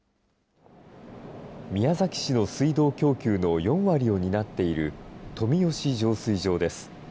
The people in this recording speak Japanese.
宮崎市の水道供給の４割を担っている富吉浄水場です。